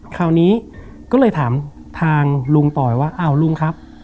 คราวนี้ก็เลยถามทางลุงต่อยว่าอ้าวลุงครับ